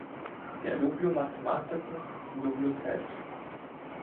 Я люблю математику, люблю цифри.